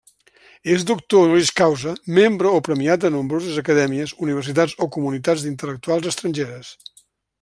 És doctor Honoris causa, membre o premiat de nombroses acadèmies, universitats o comunitats d'intel·lectuals estrangeres.